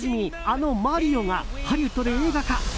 あの「マリオ」がハリウッドで映画化。